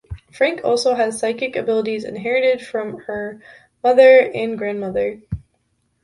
Frank also has psychic abilities inherited from her mother and grandmother.